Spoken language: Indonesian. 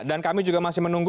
dan kami juga masih menunggu